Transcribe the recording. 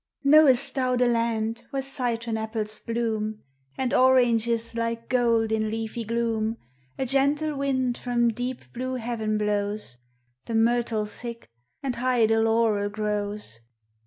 " Know'st thou the land where citron apples bloom, And oranges like gold in leafy gloom, A gentle wind from deep blue heaven blows, The myrtle thick, and high the laurel grows